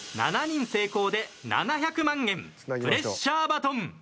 ７人成功で７００万円プレッシャーバトン。